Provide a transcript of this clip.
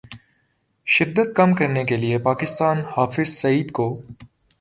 شدت کم کرنے کے لیے پاکستان حافظ سعید کو